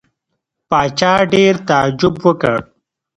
پاچا ډېر تعجب وکړ.